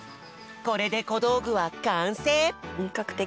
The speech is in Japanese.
これでこどうぐはかんせい！